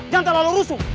jangan terlalu rusuk